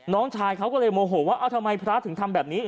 น้องชายเขาก็เลยโมโหว่าทำไมพระถึงทำแบบนี้